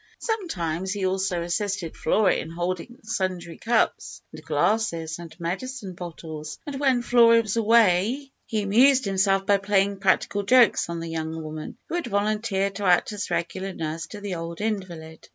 Sometimes he also assisted Flora in holding sundry cups, and glasses, and medicine bottles, and when Flora was away he amused himself by playing practical jokes on the young woman who had volunteered to act as regular nurse to the old invalid.